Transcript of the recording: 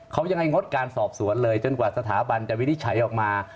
เขายังไงงดการสอบสวนเลยจนกว่าสถาบันจะวินิจฉัยออกมา